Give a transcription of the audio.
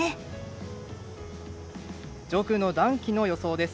上空の暖気の予想です。